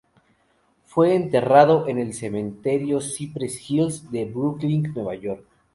Fue enterrado en el Cementerio Cypress Hills de Brooklyn, Nueva York.